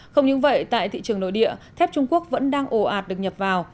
không những vậy tại thị trường nội địa thép trung quốc vẫn đang ồ ạt được nhập vào